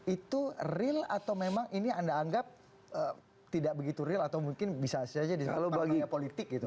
itu real atau memang ini anda anggap tidak begitu real atau mungkin bisa saja disebut bagian politik gitu